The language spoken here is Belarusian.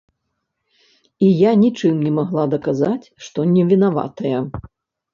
І я нічым не магла даказаць, што не вінаватая.